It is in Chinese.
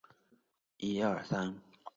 毛紫薇为千屈菜科紫薇属下的一个种。